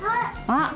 あっ！